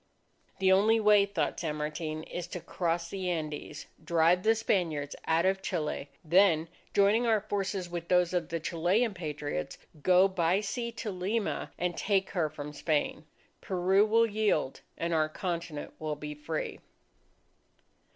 The only way, thought San Martin, is to cross the Andes, drive the Spaniards out of Chile, then joining our forces with those of the Chilean Patriots, go by sea to Lima, and take her from Spain. Peru will yield, and our continent will be free!